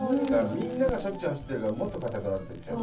みんながしょっちゅう走っているからもっと硬くなっちゃう。